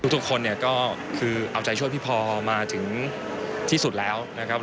ทุกคนเนี่ยก็คือเอาใจช่วยพี่พอมาถึงที่สุดแล้วนะครับ